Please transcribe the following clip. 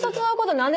何で？